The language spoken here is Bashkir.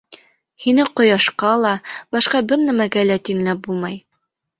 Һине ҡояшҡа ла, башҡа бер нәмәгә лә тиңләп булмай.